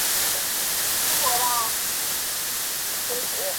后恢复为云南提督府衙门。